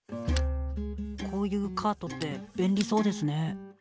こういうカートって便利そうですね。